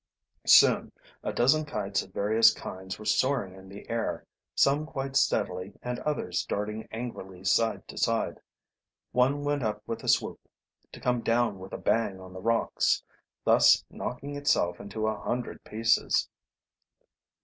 Soon a dozen kites of various kinds were soaring in the air, some quite steadily and others darting angrily from side to side. One went up with a swoop, to come down with a bang on the rocks, thus knocking itself into a hundred pieces.